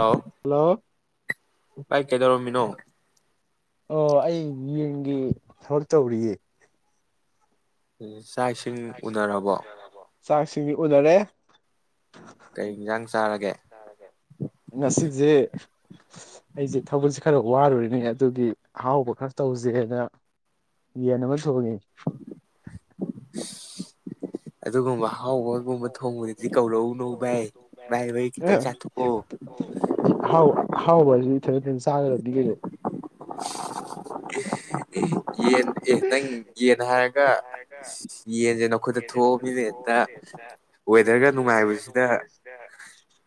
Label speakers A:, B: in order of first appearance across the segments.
A: hello ꯑꯩꯥꯏ ꯀꯩꯗꯧꯔꯝꯃꯤꯅꯣ
B: ꯑꯣ ꯑꯩ ꯌꯦꯟꯒꯤ ꯊꯕꯛ ꯇꯧꯔꯤꯌꯦ
A: ꯎꯝ ꯏꯆꯥ ꯏꯁꯤꯡ ꯎꯅꯔꯕꯣ
B: ꯆꯥꯛꯁꯤꯡꯁꯤ ꯎꯅꯔꯦ ꯉꯁꯤꯁꯦ ꯑꯩꯁꯦ ꯊꯧꯕꯜꯁꯦ ꯈꯔ ꯋꯥꯔꯨꯔꯤꯅꯦ ꯑꯗꯨꯒꯤ ꯑꯍꯥꯎꯕ ꯈꯔ ꯇꯧꯁꯦꯅ ꯌꯦꯟ ꯑꯃ ꯊꯣꯡꯉꯤ
A: ꯑꯗꯨꯒꯨꯝꯕ ꯍꯥꯎꯕꯒꯨꯝꯕ ꯊꯣꯡꯕꯗꯗꯤ ꯀꯧꯔꯛꯎꯅꯣ ꯚꯥꯏ ꯚꯥꯏ ꯚꯥꯏ ꯈꯤꯇꯪ ꯆꯥꯊꯣꯛꯑꯣ
B: ꯅ ꯆꯥꯈꯔꯕꯗꯤ ꯀꯩꯗꯣ
A: [inaudible] ꯌꯦꯟ ꯑꯦ ꯅꯪ ꯌꯦꯟ ꯍꯥꯏꯔꯒ ꯌꯦꯟꯁꯦ ꯅꯈꯨꯠꯇ ꯊꯣꯛꯑꯃꯤꯅꯦꯗ ꯋꯦꯗꯔꯒ ꯅꯨꯡꯉꯥꯏꯕꯁꯤꯗ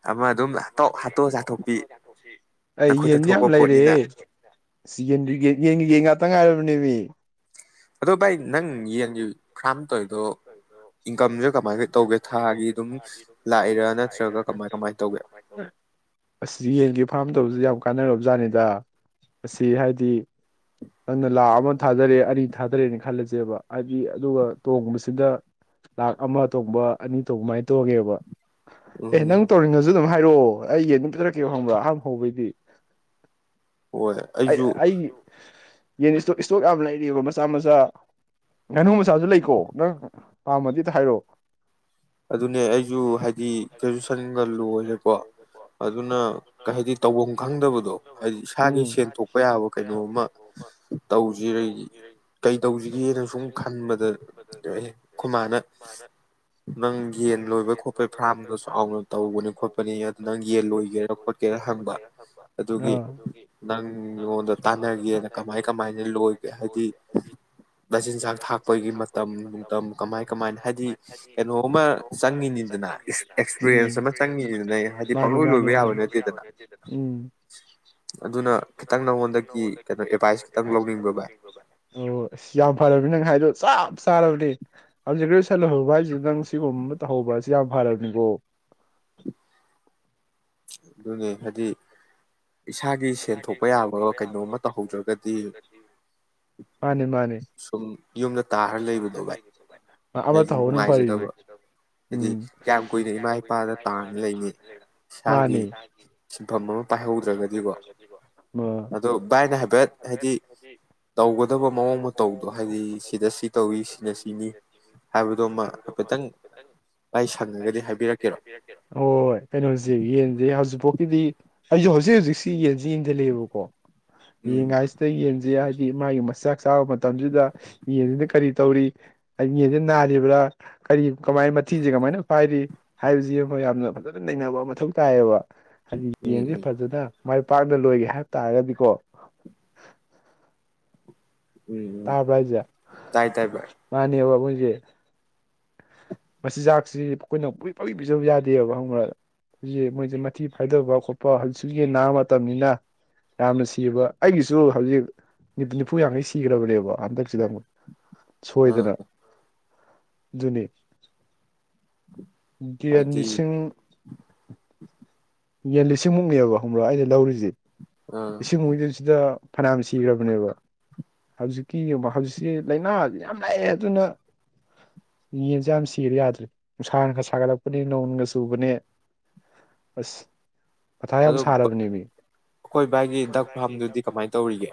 A: ꯑꯃ ꯑꯗꯨꯝꯇꯥꯎ ꯍꯥꯠꯇꯣꯛ ꯆꯥꯊꯣꯛꯄꯤ ꯅꯈꯨꯠꯇ ꯊꯣꯛꯄ ꯄꯣꯠꯅꯤꯅ
B: ꯁꯤ ꯌꯦꯟ ꯌꯦ ꯌꯦ ꯉꯥꯛꯇ ꯉꯥꯏꯔꯕꯅꯦꯃꯤ
A: ꯑꯗꯣ ꯥꯏ ꯅꯪ ꯌꯦ ꯈꯝ ꯇ
B: ꯑꯁꯤ ꯌꯦꯟꯒꯤ ꯐꯥꯔꯝ ꯇꯧꯕ ꯌꯥꯝ ꯀꯥꯟꯅꯔꯕ ꯑꯣꯖꯥꯅꯤꯗ ꯑꯁꯤ ꯍꯥꯏꯗꯤ ꯅꯪꯅ ꯂꯥ ꯑꯃ ꯊꯥꯗꯔꯦ ꯑꯅꯤ ꯊꯥꯗꯔꯦꯅ ꯈꯜꯂꯁꯦꯕ ꯍꯥꯏꯗꯤ ꯑꯗꯨꯒ ꯇꯣꯡꯕꯁꯤ ꯁꯤꯗ ꯂꯥꯛꯈ ꯑꯃ ꯇꯣꯡꯕ ꯑꯅꯤ ꯇꯣꯡꯃꯥꯏꯅ ꯇꯧꯒꯦꯕ ꯑꯦ ꯅꯪ ꯇꯧꯔꯤꯉꯁꯨ ꯑꯗꯨ ꯍꯥꯏꯔꯛꯑꯣ ꯑꯩꯒꯤ ꯑꯗꯨꯝ ꯄꯤꯊꯔꯛꯀꯦꯕ ꯍꯪꯕ꯭ꯔꯥ ꯑꯍꯥꯟꯕ ꯍꯧꯕꯩꯗꯤ ꯑꯩ ꯑꯩꯒꯤ ꯌꯦꯟ ꯏꯁꯇꯣꯛ ꯏꯁꯇꯣꯛ ꯌꯥꯝ ꯂꯩꯔꯤꯕꯣ ꯃꯆꯥ ꯃꯆꯥ ꯉꯥꯅꯨ ꯃꯆꯥꯁꯨ ꯂꯩꯀꯣ ꯅꯪ ꯄꯥꯝꯃꯗꯤ ꯍꯥꯏꯔꯛꯑꯣ
A: ꯑꯗꯨꯅꯦ ꯑꯩꯁꯨ ꯍꯥꯏꯗꯤ ꯀ ꯁꯟꯒ ꯂꯣꯏꯔꯦꯀꯣ ꯑꯗꯨꯅ ꯍꯥꯏꯗꯤ ꯇꯧꯐꯝ ꯈꯪꯗꯕꯗꯣ ꯍꯥꯏꯗꯤ ꯏꯁꯥꯒꯤ ꯁꯦꯟ ꯊꯣꯛꯣꯛꯄ ꯌꯥꯕ ꯀꯩꯅꯣꯝꯃ ꯇꯧꯁꯤ ꯀꯩ ꯇꯧꯁꯤꯒꯦꯅ ꯁꯨꯝ ꯈꯟꯕꯗ ꯈꯨꯈꯣꯏ ꯃꯥꯅ ꯅꯪ ꯌꯦꯟ ꯂꯣꯏꯕ ꯈꯣꯠꯄꯩ ꯐꯥꯔꯝꯗꯁꯨꯥꯎꯅ ꯇꯧꯕꯅꯤ ꯈꯣꯠꯄꯅꯤ ꯑꯗꯨ ꯅꯪ ꯌꯦꯟ ꯂꯣꯏꯒꯦꯔꯥ ꯈꯣꯠꯀꯦꯔ ꯍꯪꯕ ꯑꯗꯨꯒꯤ ꯅꯪ ꯑꯩꯉꯣꯟꯗ ꯇꯥꯟꯅꯒꯦꯅ ꯀꯃꯥꯏ ꯀꯃꯥꯏꯅ ꯂꯣꯏꯒꯦ ꯍꯥꯏꯗꯤ ꯃꯆꯤꯟꯖꯥꯛ ꯊꯥꯛꯄꯒꯤ ꯃꯇꯝ ꯅꯨꯡꯇ ꯀꯃꯥꯏ ꯀꯃꯥꯏꯅ ꯍꯥꯏꯗꯤ ꯀꯩꯅꯣꯝꯃ ꯆꯪꯉꯤꯅꯤꯗꯅ
B: ꯎꯝ ꯎꯝ ꯑꯣ ꯑ ꯌꯥꯝ ꯐꯔꯕꯅꯤ ꯅꯪ ꯍꯥꯏꯗ ꯆ ꯆ ꯍꯧꯖꯤꯛ ꯁꯍꯧꯕ ꯍꯥꯏꯁꯤ ꯅꯪ ꯁꯤꯒꯨꯝꯕ ꯑꯃ ꯇꯧꯍꯧꯕꯁꯤ ꯌꯥꯝ ꯐꯔꯕꯅꯤꯀꯣ
A: ꯑꯗꯨꯅꯦ ꯍꯥꯏꯗꯤ
B: ꯌꯥ ꯃꯥꯅꯤ ꯃꯥꯅꯤ ꯇ ꯎꯝꯨꯏ ꯏꯥ
A: ꯏꯁꯥꯒꯤ ꯁꯤꯟꯐꯝ ꯑꯃ ꯄꯥꯏꯍꯧꯗ꯭ꯔꯒꯗꯤꯀꯣ ꯑꯣ ꯚꯥꯏꯅ ꯍꯥꯏꯐꯦꯠ ꯍꯥꯏꯗꯤ ꯇꯧꯒꯗꯕ ꯃꯑꯣꯡ ꯃꯇ ꯇꯧꯗꯣ ꯍꯥꯏꯗꯤ ꯁꯤꯗ ꯁꯤ ꯇꯧꯏ ꯁꯤꯅ ꯁꯤꯅꯤ ꯍꯥꯏꯕꯗꯣꯃ ꯍꯥꯏꯐꯦꯠꯇꯪ ꯚꯥꯏ ꯁꯪꯉꯒꯗꯤ ꯍꯥꯏꯕꯤꯔꯛꯀꯦꯔꯣ
B: ꯌꯦꯟꯗꯦ ꯍꯧꯖꯤꯛꯐꯥꯎꯒꯤꯗꯤ ꯑꯩꯁꯨ ꯍꯧꯖꯤꯛ ꯍꯧꯖꯤꯛꯁꯤ ꯌꯦ ꯟꯗ ꯂꯩꯕꯀꯣ ꯌꯦ ꯉꯥꯏꯁ ꯇ ꯌꯦꯟꯁꯤ ꯃꯥꯒꯤ ꯃꯆꯥꯛ ꯆꯥꯕ ꯃꯇꯝꯁꯤꯗ ꯌꯦꯟꯁꯤꯅ ꯀꯔꯤ ꯇꯧꯔꯤ ꯍꯥꯏ ꯌꯦꯟꯁꯤꯅ ꯅꯥꯜꯂꯤꯔꯤꯕ꯭ꯔꯥ ꯀꯔꯤ ꯀꯃꯥꯏ ꯃꯊꯤꯁꯦ ꯀꯃꯥꯏꯅ ꯐꯥꯏꯔꯤ ꯍꯥꯏꯕꯁꯤꯃ ꯌꯥꯝꯅ ꯐꯖꯅ ꯅꯩꯅꯕ ꯃꯊꯧ ꯇꯥꯏꯌꯦꯕ ꯍꯥꯏꯗꯤ ꯌꯦꯡꯁꯦ ꯐꯖꯅ ꯃꯥꯏ ꯄꯥꯛꯅ ꯂꯣꯏꯒꯦ ꯍꯥꯏꯕ ꯇꯥꯔꯒꯗꯤꯀꯣ ꯇꯥ ꯄꯖ ꯃꯥꯅꯤꯕ ꯌꯦ ꯃꯆꯤꯟꯖꯥꯛꯁꯤ ꯑꯩꯈꯣꯏꯅ ꯄꯛ ꯄꯏ ꯄꯤꯖꯕ ꯌꯥꯗꯦꯕꯪ ꯍꯧꯖꯤꯛ ꯃꯣꯏꯁꯦ ꯃꯊꯤ ꯐꯥꯏꯗꯕ ꯈꯣꯠꯄ ꯍꯧꯖꯤꯛꯁꯨ ꯌꯦ ꯅꯥꯕ ꯃꯇꯝꯅꯤꯅ ꯌꯥꯝꯅ ꯁꯤꯕ ꯑꯩꯒꯤꯁꯨ ꯍꯧꯖꯤꯛ ꯅꯨꯠ ꯅꯤꯐꯨ ꯌꯥꯡꯈꯩ ꯁꯤꯈ꯭ꯔꯕꯅꯦꯕ ꯍꯟꯗꯛꯁꯤꯗ ꯑꯃꯨꯛ ꯁꯣꯏꯗꯅ ꯖꯨꯅꯤ ꯟ ꯂꯤꯁꯤꯡ ꯌꯦꯟ ꯂꯤꯁꯤꯡꯃꯨꯛꯅꯦꯕ ꯈꯪꯕ꯭ꯔꯣ ꯑꯩꯅ ꯂꯧꯔꯤꯁꯤ ꯏꯁꯤꯡ ꯍꯖꯤꯟꯁꯤꯗ ꯐꯅꯌꯥꯝ ꯁꯤꯈ꯭ꯔꯕꯅꯦꯕ ꯍꯧꯖꯤꯛꯀꯤ ꯌꯦꯡꯕ ꯍꯧꯖꯤꯛꯁꯤ ꯂꯥꯏꯅꯥ ꯌꯥꯝ ꯂꯥꯛꯑꯦ ꯑꯗꯨꯅ ꯌꯦꯟꯁꯦ ꯌꯥꯝ ꯁꯤꯔ ꯌꯥꯗ꯭ꯔꯦ ꯅꯨꯡꯁꯥꯅꯒ ꯁꯥꯒꯠꯂꯛꯄꯅꯦ ꯅꯣꯡꯒ ꯆꯨꯕꯅꯦ ꯑꯁ ꯃꯊꯥ ꯌꯥꯝ ꯁꯥꯔꯕꯅꯦ ꯃꯤ
A: ꯏꯕꯥꯥꯏꯒꯤ ꯗꯛ ꯐꯥꯝꯗꯨꯗꯤ ꯀꯃꯥꯏꯅ ꯇꯧꯔꯤꯒꯦ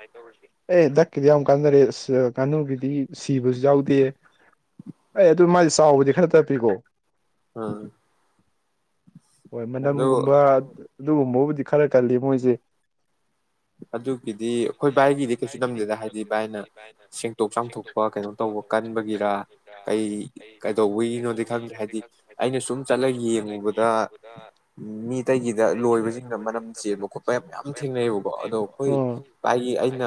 B: ꯑꯦ ꯗꯛꯀꯤꯗꯤ ꯌꯥꯝ ꯀꯥꯟꯅꯔꯦ ꯑ ꯉꯥꯅꯨꯒꯤꯗꯤ ꯁꯤꯕꯁꯨ ꯌꯥꯎꯗꯦ ꯑꯦ ꯑꯗꯨ ꯃꯥꯗꯤ ꯆꯥꯎꯕꯗꯤ ꯈꯔ ꯇꯞꯄꯤꯀꯣ
A: ꯑ
B: ꯍꯣꯏ ꯃꯅꯝꯒꯨꯝꯕ ꯑꯗꯨꯒꯨꯝꯕꯕꯨꯗꯤ ꯈꯔ ꯀꯜꯂꯤ ꯃꯣꯏꯁꯦ
A: ꯑꯗꯨꯒꯤꯗꯤ ꯑꯩꯈꯣꯏ ꯚꯥꯏꯒꯤꯗꯤ ꯀꯩꯁꯨ ꯅꯝꯗꯦꯗ ꯍꯥꯏꯗꯤ ꯚꯥꯏꯅ ꯁꯦꯡꯇꯣꯛ ꯆꯥꯝꯊꯣꯛꯄ ꯀꯩꯅꯣ ꯇꯧꯕ ꯀꯟꯕꯒꯤꯔ ꯀꯩ ꯀꯩꯗꯧꯕꯒꯤꯅꯣꯗꯤ ꯈꯪꯗ꯭ꯔꯦ ꯍꯥꯏꯗꯤ ꯑꯩꯅ ꯁꯨꯝ ꯆꯠꯂꯒ ꯌꯦꯡꯉꯨꯕꯗ ꯃꯤ ꯇꯒꯤꯗ ꯂꯣꯏꯕꯁꯤꯡꯗ ꯃꯔꯅꯝ ꯆꯦꯟꯕ ꯈꯣꯠꯄ ꯃꯌꯥꯝ ꯊꯦꯡꯅꯩ
B: ꯎꯝ ꯎꯝ ꯃꯥꯅꯤ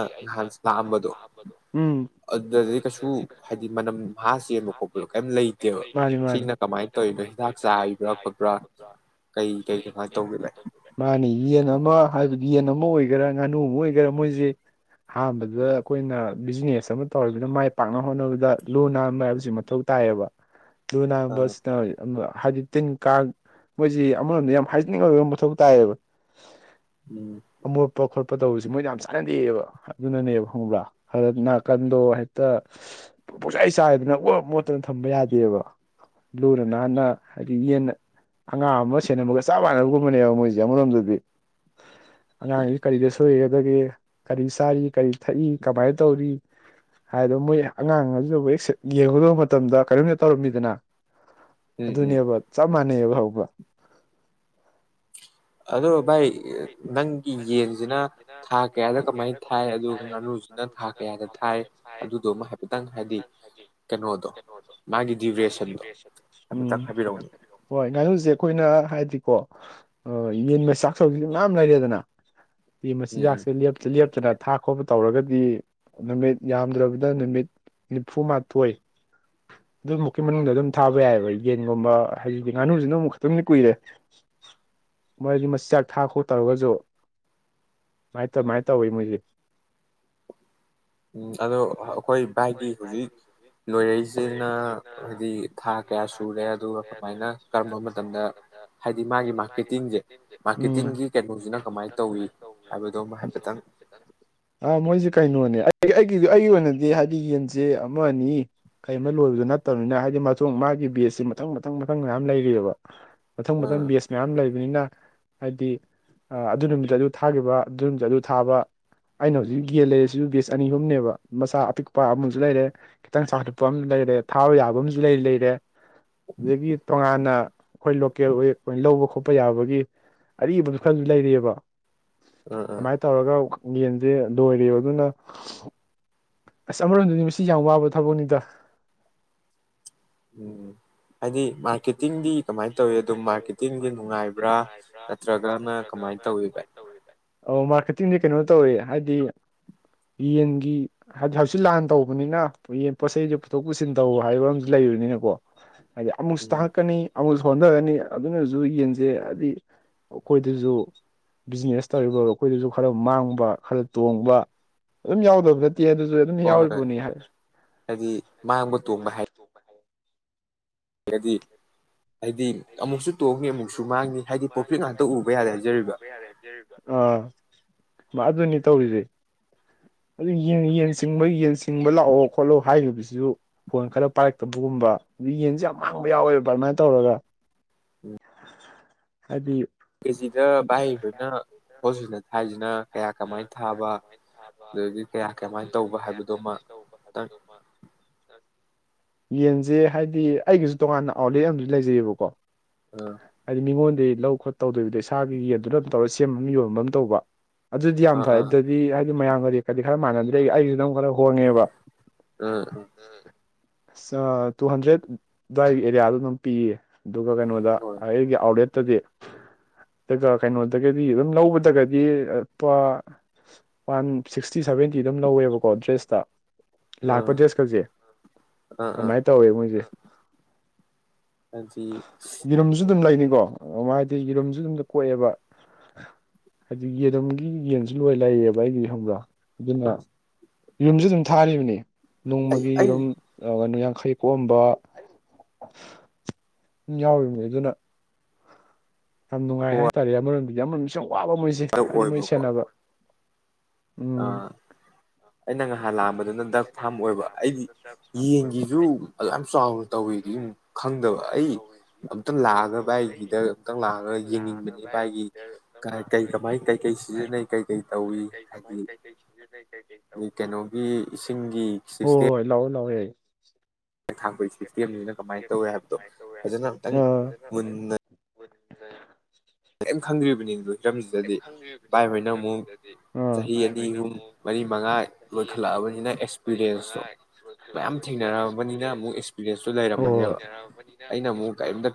B: ꯃꯥꯅꯤ ꯌꯦꯟ ꯑꯃꯥ ꯌꯦꯟ ꯑꯃ ꯑꯣꯏꯒꯦꯔꯥ ꯉꯥꯅꯨ ꯑꯃ ꯑꯣꯏꯒꯦꯔꯥ ꯃꯣꯏꯁꯦ ꯑꯍꯥꯟꯕꯗ ꯑꯩꯈꯣꯏꯅ ꯕꯤꯖꯤꯅꯦꯁ ꯑꯃ ꯇꯧꯔꯤꯕꯗ ꯃꯥꯏ ꯄꯥꯛꯅꯕ ꯍꯣꯠꯅꯕꯗ ꯂꯨ ꯅꯥꯟꯕ ꯍꯥꯏꯕꯁꯤ ꯊꯧ ꯇꯥꯏꯌꯦꯕ ꯂꯨ ꯅꯟꯕꯁꯤꯅ ꯍꯥꯏꯗꯤ ꯇꯤꯟ ꯀꯥꯡ ꯃꯣꯏꯁꯤ ꯑꯃꯔꯣꯝꯗ ꯌꯥꯝ ꯍꯥꯏꯖꯅꯤꯡ ꯑꯣꯏꯕ ꯑꯃ ꯃꯊꯧ ꯇꯥꯏꯌꯦꯕ
A: ꯎꯝ
B: ꯈꯣꯠꯄ ꯇꯧꯕꯖꯦ ꯃꯣꯏꯗꯤ ꯌꯥꯝ ꯆꯥꯟꯅꯗꯦꯑꯕ ꯑꯗꯨꯅꯅꯦꯕ ꯈꯪꯕ꯭ꯔꯥ ꯅꯥꯀꯟꯗꯣ ꯍꯦꯛꯇ ꯄꯨꯡꯆꯥꯏ ꯆꯥꯏꯗꯅ ꯃꯣꯠꯇꯅ ꯊꯝꯕ ꯌꯥꯗꯦꯕ ꯂꯨꯅ ꯅꯥꯟꯅ ꯍꯥꯏꯗꯤ ꯌꯦꯟ ꯑꯉꯥꯡ ꯑꯃ ꯁꯦꯟꯅꯝꯃꯒ ꯆꯞ ꯃꯥꯟꯅꯕꯒꯨꯝꯕꯅꯦꯕ ꯃꯣꯏꯁꯦ ꯑꯃꯔꯣꯝꯗꯗꯤ ꯑꯉꯥꯡꯁꯤ ꯀꯔꯤꯗ ꯁꯣꯏꯒꯗꯒꯦ ꯀꯔꯤ ꯆꯥꯔꯤ ꯀꯔꯤ ꯊꯛꯏ ꯀꯃꯥꯏꯅ ꯇꯧꯔꯤ ꯍꯥꯏꯗꯣ ꯃꯣꯏ ꯑꯉꯥꯡ ꯑꯗꯨꯗꯕꯨ ꯌꯦꯡꯒꯗꯧꯕ ꯃꯇꯝꯗ ꯀꯔꯤꯝꯇ ꯇꯧꯔꯝꯃꯤꯗꯅ ꯑꯗꯨꯅꯦꯕ ꯆꯞ ꯃꯥꯟꯅꯩ ꯅꯦꯕ ꯍꯥꯎꯕ
A: ꯑꯣ ꯚꯥꯏ
B: ꯍꯥꯏ ꯀꯃꯥꯏꯅꯥꯏ ꯑꯗꯨ ꯉꯥꯅꯨꯅꯥꯏꯪꯩꯅ ꯎ ꯍꯣꯏ ꯉꯥꯅꯨꯁꯦ ꯑꯩꯈꯣꯏꯅ ꯍꯥꯏꯗꯤꯀꯣ ꯌꯦꯟꯃꯥꯆꯤꯟꯖꯛ ꯁꫭꯏꯕꯩꯗꯤ ꯃꯌꯥꯝ ꯂꯩꯔꯦꯗꯅ ꯌꯦꯟꯃꯥꯖꯤꯟ ꯖꯛ ꯁꯦ ꯂꯦꯞꯇ ꯂꫭꯞꯇꯅ ꯊꯥ ꯈꯣꯠꯄ ꯇꯧꯔꯒꯗꯤ ꯅꯨꯃꯤꯠ ꯌꯥꯝꯗ꯭ꯔꯕꯗ ꯅꯨꯃꯤꯠ ꯅꯤꯐꯨꯃꯥꯊꯣꯏ ꯑꯗꯨꯃꯨꯛꯀꯤ ꯃꯅꯨꯡꯗ ꯑꯗꯨꯝ ꯊꯥꯕ ꯌꯥꯏꯑꯕ ꯌꯦꯟꯒꯨꯝꯕ ꯍꯥꯏꯖꯤꯗꯤ ꯉꯥꯅꯨꯁꯤꯅ ꯑꯃꯨꯛ ꯛꯇꯪꯗꯤ ꯀꯨꯏꯔꯦ ꯃꯔꯣꯏꯗꯤ ꯃꯆꯤꯟ ꯆꯥꯛ ꯊꯥ ꯈꯣꯠ ꯇꯧꯔꯒꯁꯨ ꯉꯥꯏ ꯇ ꯃꯥꯏ ꯇꯧꯋꯤ ꯃꫭꯏꯖꯦ
A: ꯎꯝ ꯑꯗꯣ ꯑꯩꯈꯣꯏ ꯚꯥꯏꯒꯤ ꯍꯧꯖꯤꯛ ꯂꯣꯏꯔꯛꯏꯁꯤꯅ ꯍꯥꯏꯗꯤ ꯊꯥ ꯀꯌꯥ ꯁꯨꯔꯦ ꯑꯗꯨꯒ ꯀꯃꯥꯏꯅ ꯀꯔꯝꯕ ꯃꯇꯝꯗ ꯍꯥꯏꯗꯤ ꯃꯥꯒꯤ ꯃꯥꯔꯀꯦꯇꯤꯡꯁꯦ ꯃꯥꯔꯀꯦꯇꯤꯡꯒꯤ ꯀꯩꯅꯣꯁꯤꯅ ꯅꯪ ꯀꯃꯥꯏꯅ ꯇꯧꯋꯤ ꯍꯥꯏꯕꯗꯣ ꯑꯃ ꯍꯥꯏꯐꯦꯠꯇꯪ
B: ꯒꯤ ꯑꯩꯒꯤ ꯑꯣꯏꯅꯗꯤ ꯍꯥꯏꯗꯤ ꯌꯦꯟꯁꯦ ꯑꯃ ꯑꯅꯤ ꯀꯩ ꯑꯃ ꯂꯣꯏꯕꯗꯣ ꯅꯠꯇꯕꯅꯤꯅ ꯍꯥꯏꯗꯤ ꯃꯆꯣꯡ ꯃꯥꯒꯤ ꯕꯦꯠꯁꯦ ꯃꯊꯪ ꯃꯊꯪ ꯃꯊꯪ ꯃꯌꯥꯝ ꯂꯩꯔꯤꯑꯕ ꯃꯊꯪ ꯃꯊꯪ ꯕꯦꯁ ꯃꯌꯥꯝ ꯂꯩꯕꯅꯤꯅ ꯍꯥꯏꯗꯤ ꯑꯗꯨ ꯅꯨꯃꯤꯠꯇ ꯑꯗꯨ ꯊꯥꯈꯤꯕ ꯑꯗꯨ ꯅꯨꯃꯤꯠꯇ ꯑꯗꯨ ꯊꯥꯕ ꯑꯩꯅ ꯍꯧꯖꯤꯛ ꯌꯦꯟ ꯂꯩꯔꯤꯁꯤꯁꯨ ꯕꯦꯁ ꯑꯅꯤ ꯑꯍꯨꯝꯅꯦꯕ ꯃꯆꯥ ꯑꯄꯤꯛꯄ ꯑꯃꯁꯨ ꯂꯩꯔꯦ ꯈꯤꯇꯪ ꯆꯥꯎꯈꯠꯄ ꯑꯃꯁꯨ ꯂꯩꯔꯦ ꯊꯥꯕ ꯌꯥꯕ ꯑꯃꯁꯨ ꯂꯩ ꯂꯩꯔꯦ ꯑꯗꯒꯤ ꯇꯣꯉꯥꯟꯅ ꯑꯩꯈꯣꯏ ꯂꯣꯀꯦꯜ ꯑꯣꯏ ꯂꯧꯕ ꯈꯣꯠꯄ ꯄ ꯌꯥꯕꯒꯤ ꯑꯔꯤꯕꯗꯨ ꯈꯜꯁꯨ ꯂꯩꯔꯤꯑꯕ ꯑꯗꯨꯃꯥꯏꯅ ꯇꯧꯔꯒ ꯌꯦꯟꯁꯦ ꯂꯣꯏꯔ ꯑꯗꯨꯅ ꯑꯁ ꯑꯃꯔꯣꯝꯗꯅꯤ ꯃꯁꯤ ꯌꯥꯝ ꯋꯥꯕ ꯊꯕꯛꯅꯤꯗ
A: ꯎꯝ ꯍꯥꯏꯗꯤ ꯃꯥꯔꯀꯦꯇꯤꯡꯗꯤ ꯀꯃꯥꯏꯅ ꯇꯧꯋꯤ ꯑꯗꯨꯝ ꯃꯥꯔꯀꯦꯇꯤꯡꯒꯤ ꯅꯨꯡꯉꯥꯏꯕ꯭ꯔꯥ ꯅꯠꯇ꯭ꯔꯒꯅ ꯀꯃꯥꯏꯅ ꯇꯧꯋꯕ
B: ꯑꯣ ꯃꯥꯔꯀꯦꯇꯤꯡꯗꯤ ꯀꯩꯅꯣ ꯇꯧꯋ ꯍꯥꯏꯗꯤ ꯌꯦꯟꯒꯤꯗꯤ ꯍꯧꯆꯤ ꯂꯥꯟ ꯇꯧꯕꯅꯤꯅ ꯌꯦꯟ ꯄꯣꯠꯆ ꯆꯩꯗꯨ ꯄꯨꯊꯣꯛ ꯄꯨꯁꯤꯟ ꯇꯧꯕ ꯍꯥꯏꯕ ꯑꯃꯁꯁꯨ ꯂꯩꯕꯅꯤꯅꯀꯣ ꯍꯥꯏꯗꯤ ꯑꯃꯨꯛꯁꯨ ꯇꯥꯛꯉꯛꯀꯅꯤ ꯁꯣꯟꯊꯔꯅꯤ ꯑꯗꯨꯅꯁꯨ ꯌꯦꯟꯁꯦ ꯍꯥꯏꯗꯤ ꯑꯩꯈꯣꯏꯗꯁꯨ ꯕꯤꯖꯤꯅꯦꯁ ꯇꯧꯔꯤꯕ ꯑꯩꯈꯣꯏꯗꯁꯨ ꯈꯔ ꯃꯥꯡꯕ ꯈꯔ ꯇꯣꯡꯕ ꯑꯗꯨꯝ ꯌꯥꯎꯗꯕꯗ ꯦ ꯑꯗꯨꯁꯨ ꯑꯗꯨꯝ ꯌꯥꯎꯔꯤꯕꯅꯤ ꯍꯥꯏ
A: ꯍꯥꯏꯗꯤ
B: ꯍꯥꯏꯗꯤ ꯑꯃꯨꯛꯁꯨ ꯇꯣꯡꯉꯦ ꯑꯃꯨꯛꯁꯨ ꯃꯥꯡꯉ ꯍꯥꯏꯗꯤ ꯀꯣꯐꯤꯠ ꯉꯥꯛꯇ ꯎꯕ ꯌꯥꯔꯦ ꯍꯥꯏꯖꯔꯤꯕ ꯑꯗꯨꯅꯤ ꯇꯧꯔꯤꯁꯦ ꯑꯗꯨ ꯌꯦꯟ ꯆꯤꯡꯕ ꯌꯦꯟ ꯆꯤꯡꯕ ꯂꯥꯛꯑꯣ ꯈꯣꯠꯂꯣ ꯍꯥꯏꯔꯤꯕꯁꯤꯁꯨ ꯐꯣꯟ ꯈꯔ ꯄꯥꯏꯔꯛꯇꯕꯒꯨꯝꯕ ꯑꯗꯨ ꯌꯦꯟꯁꯦ ꯌꯥꯝ ꯃꯥꯡꯕ ꯌꯥꯎꯋꯦꯕ ꯑꯗꯨꯃꯥꯏꯅ ꯇꯧꯔꯒ ꯍꯥꯏꯗꯤ ꯣꯁꯤꯅ ꯀꯌꯥ ꯀꯃꯥꯏꯅ ꯊꯥꯕ ꯀꯌꯥ ꯀꯃꯥꯏꯅ ꯇꯧꯕ ꯍꯥꯏꯕꯗꯃ ꯌꯦꯟꯁꯦ ꯍꯥꯏꯗꯤ ꯑꯩꯒꯤꯁꯨ ꯗꯨꯀꯥꯟ ꯑꯥꯎꯠꯂꯦꯠ ꯑꯃꯁꯨ ꯂꯩꯖꯩꯌꯦꯕꯀꯣ ꯑ ꯃꯤ ꯃꯣꯟ ꯂꯧ ꯈꯣꯠ ꯇꯧꯗꯕꯗꯤ ꯑ ꯁꯥꯥꯒꯤꯒꯤ ꯑꯗꯨꯅ ꯇꯧꯔꯒ ꯁꯦꯝꯕ ꯑꯃ ꯌꯣꯟꯕ ꯑꯃ ꯇꯧꯕ ꯑꯗꯨꯗꯤ ꯌꯥꯝ ꯐꯩ ꯑꯗꯨꯗꯤꯗꯤ ꯑꯗꯨ ꯃꯌꯥꯝꯒꯗꯤꯀꯗꯤ ꯈꯔ ꯃꯥꯟꯅꯗ꯭ꯔꯦ ꯑꯩꯁꯨ ꯑꯗꯨꯝ ꯈꯔ ꯍꯣꯡꯉꯦꯕ ꯇꯨ ꯍꯟꯗ꯭ꯔꯦꯠ ꯑꯗꯨꯋꯥꯏ ꯑꯦꯔꯤꯌꯥꯗꯣ ꯑꯗꯨꯝ ꯄꯤꯌꯦ ꯑꯗꯨꯒ ꯀꯩꯅꯣꯗ ꯑꯩꯒꯤ ꯑꯥꯎꯠꯂꯦꯠ ꯇꯗ ꯑꯗꯨꯒ ꯀꯩꯅꯣꯗꯒꯗꯤ ꯑꯗꯨꯝ ꯂꯧꯕꯗꯒꯗꯤ ꯂꯨꯄꯥ ꯋꯥꯟ ꯁꯤꯛꯁꯇꯤ ꯁꯚꯦꯟꯇꯤ ꯑꯗꯨꯝ ꯂꯧꯋꯦꯕꯀꯣ ꯗ꯭ꯔꯦꯁꯇ ꯂꯥꯛꯄ ꯗ꯭ꯔꯦꯁ ꯈꯛꯁꯦ ꯑꯗꯨꯃꯥꯏꯅ ꯇꯧꯋꯦ ꯃꯣꯏꯁꯦ ꯌꯦꯔꯨꯝꯁꯨ ꯑꯗꯨꯝ ꯂꯩꯅꯤꯀꯣ ꯑꯗꯨꯥꯏ ꯑꯇꯩꯒꯤꯔꯣꯝꯁꯨ ꯑꯗꯨꯝ ꯀꯣꯛꯑꯦꯕ ꯍꯥꯏꯗꯤ ꯌꯦꯔꯨꯝꯒꯤ ꯌꯦꯟꯁꯨ ꯂꯣꯏ ꯂꯩꯌꯦꯕ ꯑꯩꯒꯤ ꯈꯪꯕ꯭ꯔ ꯑꯗꯨꯅ ꯌꯨꯝꯁꯨ ꯑꯗꯨꯝ ꯊꯥꯔꯤꯕꯅꯦ ꯅꯣꯡꯃꯒꯤ ꯑꯗꯨꯝ ꯌꯥꯡꯈꯩ ꯀꯣꯝꯕ ꯌꯥꯎꯔꯤꯕꯅꯤ ꯑꯗꯨꯅ ꯌꯥꯝ ꯅꯨꯡꯉꯥꯏ ꯍꯥꯏꯇꯥꯔꯦ ꯑꯃ ꯌꯥꯝ ꯃꯅꯨꯡ [unintelligible] ꯋꯥꯕ ꯃꯣꯏꯁꯦ ꯍꯥꯏꯗꯤ ꯃꯣꯏ ꯁꯦꯟꯅꯕ
A: ꯑ ꯑꯩꯅ ꯉꯍꯥꯟ ꯂꯥꯛꯑꯝꯕ ꯑꯗꯨꯅ ꯗꯛ ꯐꯥꯝ ꯑꯣꯏꯕ ꯑꯩꯗꯤ ꯌꯦꯟꯒꯤꯁꯨ ꯑꯗꯨ ꯌꯥꯝ ꯆꯥꯎꯅ ꯇꯧꯋꯤꯗꯨ ꯈꯪꯗꯕ ꯑꯩ ꯑꯝꯇꯪ ꯂꯥꯛꯑꯒ ꯚꯥꯏꯒꯤꯗ ꯑꯝꯇꯪ ꯂꯥꯛꯑꯒ ꯌꯦꯡꯅꯤꯡꯕꯅꯦ ꯚꯥꯏꯒꯤ ꯀꯩ ꯀꯃꯥꯏ ꯀꯩꯀꯩ ꯁꯤꯖꯤꯟꯅꯩ ꯀꯩꯀꯩ ꯇꯧꯋꯤ
B: ꯀꯃꯥꯥꯏ ꯀꯩ ꯀꯩ ꯁꯤꯖꯤꯟꯅꯩ ꯀꯩꯀꯩ
A: ꯏꯁꯤꯡꯒꯤ ꯁꯤꯁꯇꯦꯝ
B: ꯍꯣꯏ ꯂꯥꯛꯑꯣ ꯌꯥꯏ [unintelligible] ꯑ [unintelligible]
A: ꯀꯩꯝ ꯈꯪꯗ꯭ꯔꯤꯕꯅꯤ ꯑꯗꯨ
B: ꯀꯦꯝ ꯈꯪꯗ꯭ꯔꯤꯕꯅꯤꯗꯗꯤ ꯕꯥꯏ ꯍꯣꯏꯅ ꯑꯃꯨꯛ ꯆꯍꯤ ꯑꯅꯤꯃꯨꯛ ꯃꯔꯤ ꯃꯉꯥ ꯂꯣꯏꯈꯠꯂꯛꯑꯕꯅꯤꯅ ꯑꯦꯛꯁꯄꯤꯔꯦꯟꯁꯇꯣ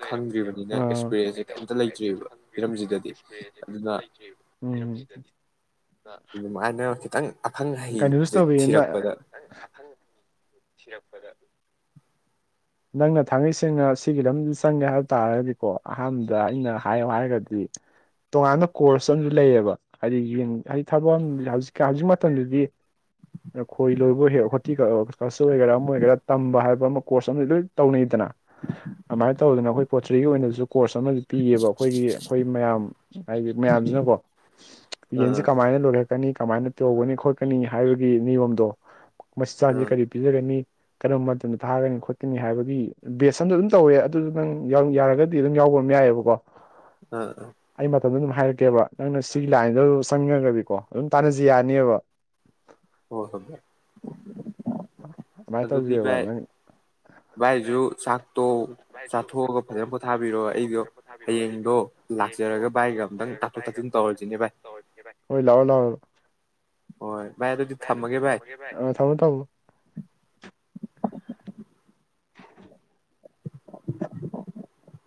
B: ꯂꯩꯔꯝꯃꯅꯦꯕ ꯑꯩꯅ ꯑꯃꯨꯛ ꯀꯦꯝꯇ ꯈꯪ
A: ꯍꯤꯔꯝꯁꯤꯗꯗꯤ ꯑꯗꯨꯅ
B: ꯀꯩꯅꯣꯁꯨ ꯇꯧꯋꯦꯅꯪ ꯄꯗ ꯅꯪꯅ ꯊꯥꯡꯒꯩ ꯁꯦꯡꯅ ꯁꯤꯒꯤ ꯂꯝꯁꯤꯗ ꯆꯪꯒꯦ ꯍꯥꯏꯕ ꯇꯥꯔꯒꯗꯤꯀꯣ ꯑꯍꯥꯟꯕꯗ ꯑꯩꯅ ꯍꯥꯏꯌꯣ ꯍꯥꯏꯔꯒꯗꯤ ꯇꯣꯉꯥꯟꯕ ꯀꯣꯔꯁ ꯑꯃꯁꯨ ꯂꯩꯌꯦꯕ ꯍꯥꯏꯗꯤ ꯌꯦꯟ ꯍꯥꯏꯗꯤ ꯊꯕꯛ ꯍꯧꯖꯤꯛ ꯍꯧꯖꯤꯛ ꯃꯇꯝꯗꯗꯤ ꯈꯣꯏ ꯂꯣꯏꯕ ꯍꯦꯛ ꯍꯣꯇꯤ ꯀꯆꯔ ꯑꯣꯏꯒꯦꯔꯥ ꯑꯃ ꯑꯣꯏꯒꯦꯔꯥ ꯇꯝꯕ ꯍꯥꯏꯕ ꯑꯃ ꯀꯣꯔꯁ [unintelligible] ꯂꯣꯏ ꯇꯧꯅꯩꯗꯅ ꯑꯗꯨꯃꯥꯏꯅ ꯇꯧꯗꯅ ꯑꯈꯣꯏ ꯄꯣꯠꯇ꯭ꯔꯤꯒꯤ ꯑꯣꯏꯅꯁꯨ ꯀꯣꯔꯁ ꯄꯤꯌꯦꯕ ꯑꯈꯣꯏꯒꯤ ꯑꯈꯣꯏ ꯃꯌꯥꯝ ꯍꯥꯏꯗꯤ ꯃꯌꯥꯝꯁꯤꯅꯀꯣ ꯌꯦꯟꯁꯤ ꯀꯃꯥꯏꯅ ꯂꯣꯏꯔꯛꯀꯅꯤ ꯀꯃꯥꯏꯅ ꯇꯧꯒꯅꯤ ꯈꯣꯠꯀꯅꯤ ꯍꯥꯏꯕꯒꯤ ꯅꯤꯌꯣꯝꯗꯣ ꯃꯆꯤꯆꯥꯛꯁꯤ ꯀꯔꯤ ꯄꯤꯖꯒꯅꯤ ꯀꯔꯝꯕ ꯃꯇꯝꯗ ꯊꯥꯒꯅꯤ ꯈꯣꯠ ꯀꯅꯤ ꯍꯥꯏꯕꯒꯤ ꯕꯦꯁ ꯑꯝꯗ ꯑꯗꯨꯝ ꯇꯧꯋꯦ ꯑꯗꯨꯗ ꯅꯪ ꯌꯥꯔꯒꯗꯤ ꯑꯗꯨꯝ ꯌꯥꯎꯕ ꯑꯗꯨꯝ ꯌꯥꯏꯌꯦꯕꯀꯣ
A: ꯑꯥ ꯑꯥ
B: ꯃꯇꯝ ꯑꯗꯨꯝ ꯍꯥꯏꯔꯛꯀꯦꯕ ꯅꯪꯅ ꯁꯤꯒꯤ ꯂꯥꯏꯟꯗꯣ ꯆꯪꯅꯤꯡꯉꯒꯗꯤꯀꯣ ꯑꯗꯨꯝ ꯇꯥꯟꯅꯁꯤ ꯌꯥꯅꯤꯕ
A: ꯍꯣꯍꯣꯏ ꯑꯗꯨꯗꯤꯕꯥꯥꯏ ꯥꯕꯥꯏꯖꯨ ꯆꯥꯛ
B: ꯚꯥꯏꯗꯨ ꯆꯥꯛꯇꯣ [unintelligible] ꯄꯣꯊꯥꯕꯤꯔꯣ ꯑꯩꯗꯣ ꯍꯌꯦꯡꯗꯣ ꯂꯥꯛꯆꯔꯒ ꯚꯥꯏꯒ ꯑꯇꯪ ꯇꯧꯔꯁꯤꯅꯦ ꯚꯥꯏ ꯍꯣꯏ ꯂꯥꯛꯑꯣ ꯂꯥꯛꯑꯣ ꯚꯥꯏ ꯑꯗꯨꯗꯤ ꯊꯝꯃꯒꯦ ꯚꯥꯏ
A: [unintelligible]